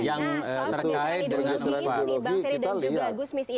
nah soal pergeseran ideologi ini di bang ferry dan juga gusmis